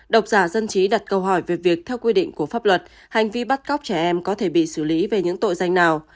độc giả dân trí đặt câu hỏi về việc theo quy định của pháp luật hành vi bắt cóc trẻ em có thể bị xử lý về những tội danh nào